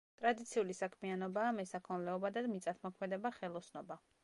ტრადიციული საქმიანობაა მესაქონლეობა და მიწათმოქმედება, ხელოსნობა.